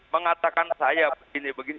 mengatakan saya begini begini